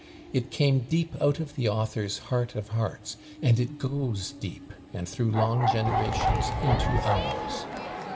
It came deep out of the author's heart of hearts; and it goes deep, and through long generations, into ours.